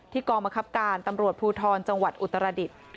กองบังคับการตำรวจภูทรจังหวัดอุตรดิษฐ์